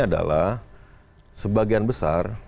adalah sebagian besar